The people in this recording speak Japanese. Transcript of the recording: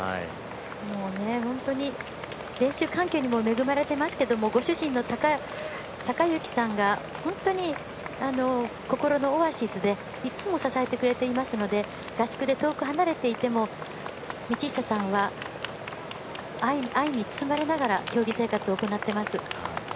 本当に練習環境にも恵まれていますけどご主人の孝幸さんが本当に心のオアシスでいつも支えてくれていますので合宿で遠く離れていても道下さんは愛に包まれながら競技生活を行っています。